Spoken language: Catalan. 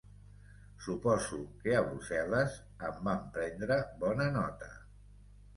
Suposo que a Brussel·les en van prendre bona nota.